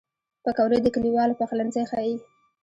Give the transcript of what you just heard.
پکورې د کلیوالو پخلنځی ښيي